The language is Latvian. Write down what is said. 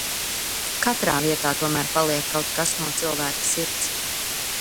Katrā vietā tomēr paliek kaut kas no cilvēka sirds.